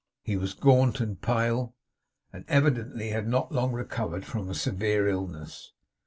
He was gaunt and pale; and evidently had not long recovered from a severe illness.